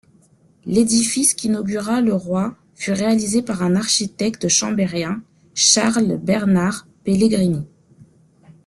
L’édifice qu'inaugura le roi fut réalisé par un architecte chambérien Charles-Bernard Pellegrini.